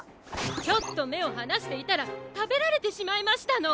ちょっとめをはなしていたらたべられてしまいましたの。